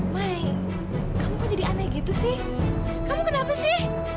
mai kamu kok jadi aneh gitu sih kamu kenapa sih